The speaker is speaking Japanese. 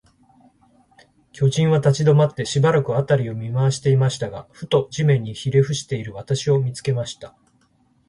巨人は立ちどまって、しばらく、あたりを見まわしていましたが、ふと、地面にひれふしている私を、見つけました。